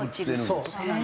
そう。